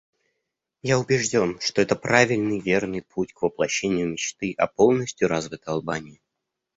Я убежден, что это правильный, верный путь к воплощению мечты о полностью развитой Албании.